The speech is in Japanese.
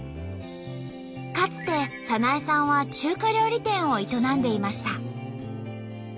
かつて早苗さんは中華料理店を営んでいました。